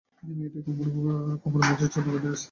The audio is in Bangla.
এই মেয়েটি কুমুর মেজো জা, নবীনের স্ত্রী।